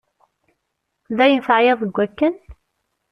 Dayen teεyiḍ deg akken?